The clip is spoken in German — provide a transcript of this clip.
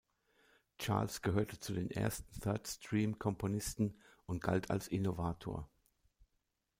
Charles gehörte zu den ersten Third-Stream-Komponisten und galt als Innovator.